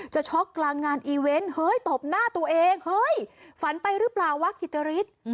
ช็อกกลางงานอีเวนต์เฮ้ยตบหน้าตัวเองเฮ้ยฝันไปหรือเปล่าวะกิติฤทธิ์